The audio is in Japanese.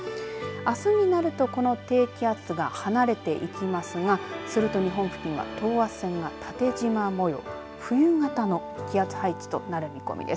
あすになるとこの低気圧が離れていきますがすると日本付近は等圧線が縦じま模様、冬型の気圧配置となる見込みです。